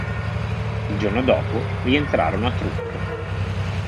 Il giorno dopo rientrarono a Truk.